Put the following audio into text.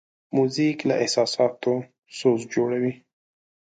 موزیک له احساساتو سوز جوړوي.